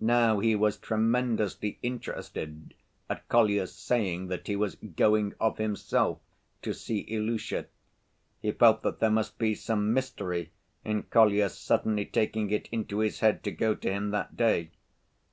Now he was tremendously interested at Kolya's saying that he was "going of himself" to see Ilusha. He felt that there must be some mystery in Kolya's suddenly taking it into his head to go to him that day.